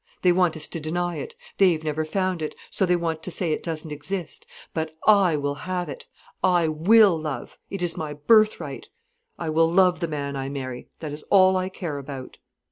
They want us to deny it. They've never found it, so they want to say it doesn't exist. But I will have it. I will love—it is my birthright. I will love the man I marry—that is all I care about."